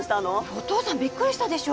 お父さんビックリしたでしょ？